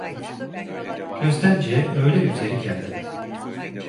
Köstence'ye öğle üzeri geldim.